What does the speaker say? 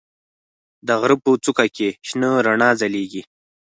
د غره په څوکه کې شنه رڼا ځلېږي.